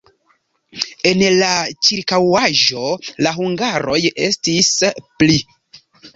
En la ĉirkaŭaĵo la hungaroj estis pli.